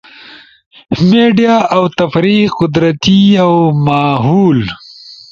میڈیا اؤ تفریح، قدرتی اؤ ماھول